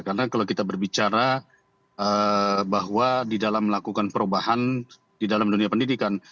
karena kalau kita berbicara bahwa di dalam melakukan perubahan di dalam dunia pendidikan